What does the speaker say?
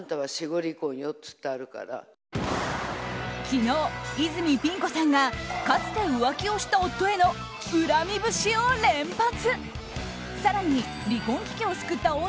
昨日、泉ピン子さんがかつて浮気をした夫への恨み節を連発。